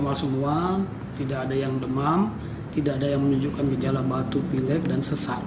normal semua tidak ada yang demam tidak ada yang menunjukkan gejala batuk pilek dan sesak